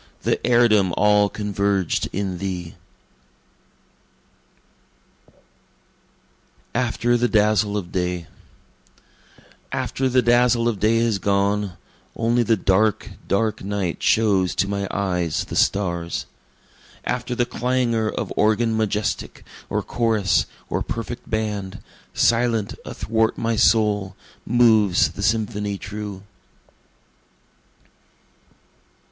The heirdom all converged in thee! After the Dazzle of Day After the dazzle of day is gone, Only the dark, dark night shows to my eyes the stars; After the clangor of organ majestic, or chorus, or perfect band, Silent, athwart my soul, moves the symphony true.